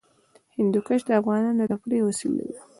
هندوکش د افغانانو د تفریح وسیله ده.